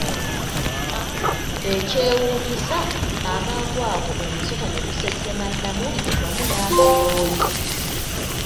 Ekyewunyiisa amangu ago omusota ne gusesema Namuli wamu n'akakooyi!